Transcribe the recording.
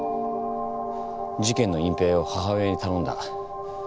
事件の隠蔽を母親に頼んだ。